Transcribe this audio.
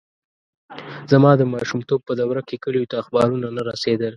زما د ماشومتوب په دوره کې کلیو ته اخبارونه نه رسېدل.